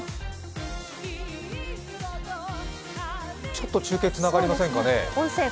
ちょっと中継つながりませんかね。